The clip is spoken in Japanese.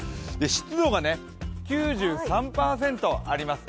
湿度が９３％あります。